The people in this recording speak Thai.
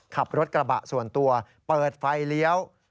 ขับรถกระบะส่วนตัวเปิดไฟเลี้ยว